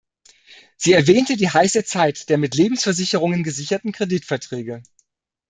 Sie erwähnte die heiße Zeit der mit Lebensversicherungen gesicherten Kreditverträge.